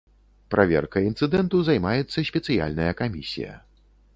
Праверкай інцыдэнту займаецца спецыяльная камісія.